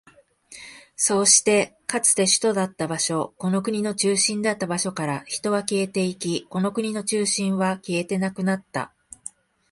そうして、かつて首都だった場所、この国の中心だった場所から人は消えていき、この国の中心は消えてなくなった。